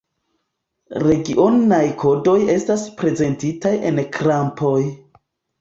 Regionaj kodoj estas prezentitaj en krampoj.